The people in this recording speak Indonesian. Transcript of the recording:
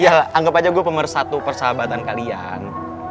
ya anggap aja gue pemersatu persahabatan kalian